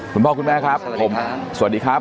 คุณพ่อคุณแม่ครับผมสวัสดีครับ